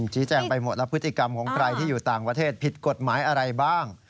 ชี้แจงไปหมดแล้วพฤติกรรมของใครที่อยู่ต่างประเทศผิดกฎหมายอะไรบ้าง